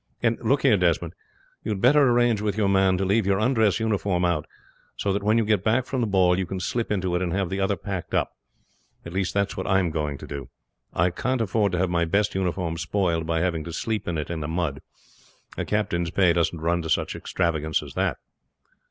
"And look here, Desmond. You had better arrange with your man to leave your undress uniform out; so that when you get back from the ball you can slip into it and have the other packed up. That's what I am going to do. I can't afford to have my best uniform spoiled by having to sleep in it in the mud. A captain's pay doesn't run to such extravagance as that."